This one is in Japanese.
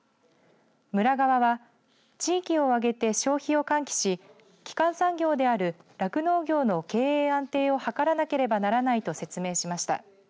村側は、地域を挙げて消費を喚起し基幹産業である酪農業の経営安定を図らなければならないと説明しました。